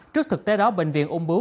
trước thực tế đó bệnh viện ông bưu